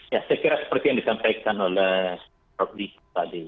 ya saya kira seperti yang disampaikan oleh prof diko tadi